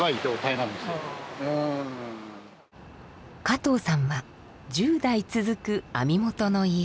加藤さんは１０代続く網元の家。